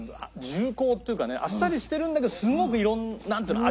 重厚っていうかねあっさりしてるんだけどすごく色んななんていうの？